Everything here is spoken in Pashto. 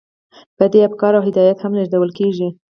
په دې کې افکار او هدایات هم لیږدول کیږي.